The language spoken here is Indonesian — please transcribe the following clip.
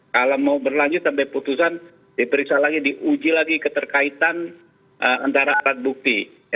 kalau mau berlanjut sampai putusan diperiksa lagi diuji lagi keterkaitan antara alat bukti